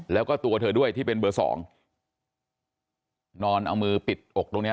แล้วก็ตัวเธอด้วยที่เป็นเบอร์สองนอนเอามือปิดอกตรงเนี้ย